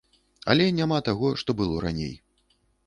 Але няма таго, што было раней.